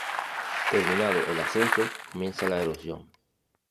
Terminado el ascenso, comienza la erosión.